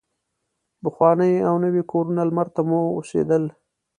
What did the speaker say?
پخواني او نوي کورونه لمر ته موسېدل.